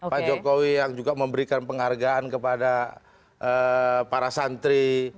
pak jokowi yang juga memberikan penghargaan kepada para santri